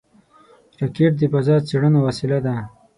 راکټ د فضا څېړنو وسیله ده